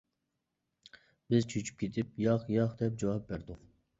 بىز چۆچۈپ كېتىپ «ياق، ياق» دەپ جاۋاب بەردۇق.